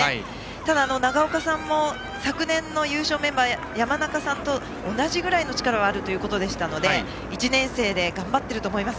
ただ、長岡さんも昨年の優勝メンバー山中さんと同じくらいの力があるということでしたので１年生で頑張っていると思います。